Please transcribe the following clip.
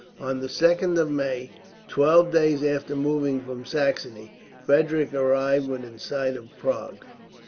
On the 2nd of May, twelve days after moving from Saxony, Frederick arrived within sight of Prague.